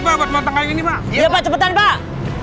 banget mau kayak gini pak ya cepetan pak